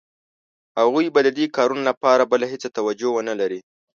هغوی به د دې کارونو لپاره بله هېڅ توجیه ونه لري.